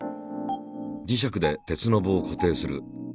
磁石で鉄の棒を固定する。